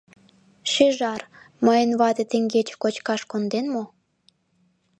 — Шӱжар, мыйын вате теҥгече кочкаш конден мо?